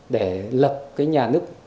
để lập nhà nước